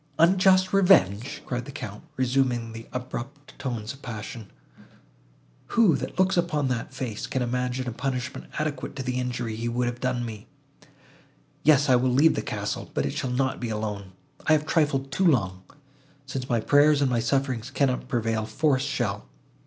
"Unjust revenge!" cried the Count, resuming the abrupt tones of passion. "Who, that looks upon that face, can imagine a punishment adequate to the injury he would have done me? Yes, I will leave the castle; but it shall not be alone. I have trifled too long. Since my prayers and my sufferings cannot prevail, force shall.